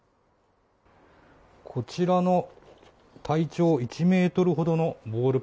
こちらの体長１ｍほどのボール